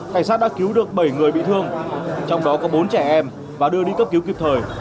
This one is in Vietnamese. cảnh sát đã cứu được bảy người bị thương trong đó có bốn trẻ em và đưa đi cấp cứu kịp thời